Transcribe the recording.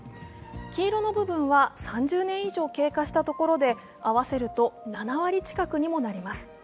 黄色の部分は３０年以上経過したところで合わせると７割近くにもなります。